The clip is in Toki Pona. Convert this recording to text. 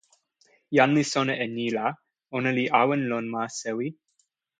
jan li sona e ni la ona li awen lon ma sewi.